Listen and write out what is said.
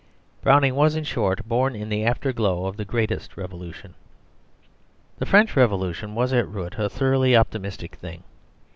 Browning was, in short, born in the afterglow of the great Revolution. The French Revolution was at root a thoroughly optimistic thing.